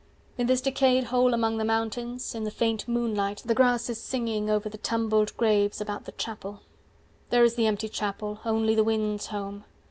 In this decayed hole among the mountains 385 In the faint moonlight, the grass is singing Over the tumbled graves, about the chapel There is the empty chapel, only the wind's home.